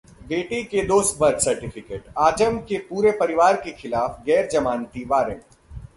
बेटे के दो बर्थ सर्टिफिकेट, आजम के पूरे परिवार के खिलाफ गैर-जमानती वॉरंट